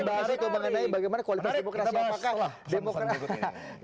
kita akan bahas itu bang andai bagaimana kualitas demokrasi apakah demokrasi